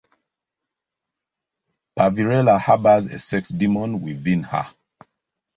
Pervirella harbors a sex demon within her.